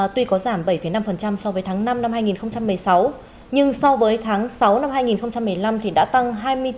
tuy có giảm bảy năm so với tháng năm năm hai nghìn một mươi sáu nhưng so với tháng sáu năm hai nghìn một mươi năm đã tăng hai mươi bốn